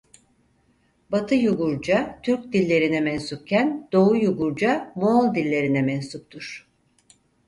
Batı Yugurca Türk Dilleri'ne mensupken Doğu Yugurca Moğol dillerine mensuptur.